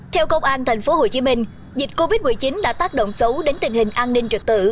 theo công an tp hcm dịch covid một mươi chín đã tác động xấu đến tình hình an ninh trật tự